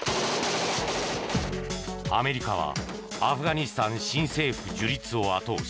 アメリカはアフガニスタン新政府樹立を後押し。